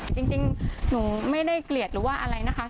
จริงหนูไม่ได้เกลียดหรือว่าอะไรนะคะ